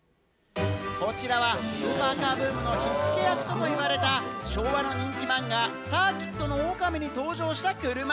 こちらはスーパーカーブームの火付け役とも言われた昭和の人気マンガ『サーキットの狼』に登場した車。